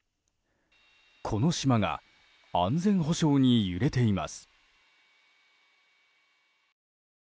この島が安全保障に揺れています。